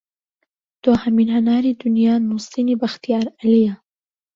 دواهەمین هەناری دونیا نوسینی بەختیار عەلییە